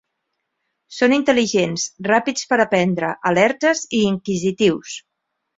Són intel·ligents, ràpids per aprendre, alertes i inquisitius.